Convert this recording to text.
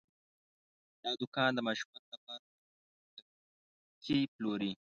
دا دوکان د ماشومانو لپاره لوبتکي پلوري.